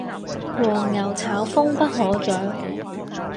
黃牛炒風不可長